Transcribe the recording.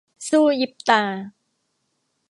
สู้ยิบตา